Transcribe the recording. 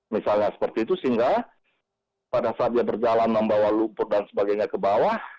misalnya seperti itu sehingga pada saat dia berjalan membawa lumpur dan sebagainya ke bawah